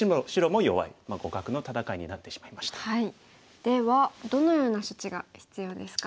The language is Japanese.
ではどのような処置が必要ですか？